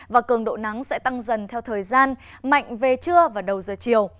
và cường độ nắng sẽ tăng dần theo thời gian mạnh về trưa và đầu giờ chiều